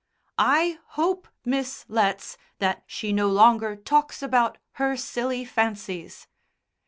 "I hope, Miss Letts, that she no longer talks about her silly fancies."